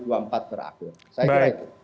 saya kira itu